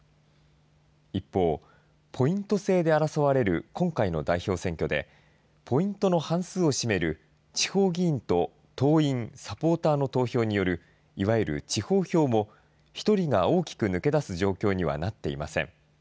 一方、ポイント制で争われる今回の代表選挙で、ポイントの半数を占める地方議員と党員・サポーターの投票によるいわゆる地方票も、１人が大きく抜け出す状況にはなっていません。